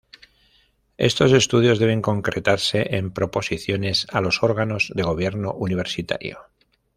Estos estudios deben concretarse en proposiciones a los órganos de gobierno universitario.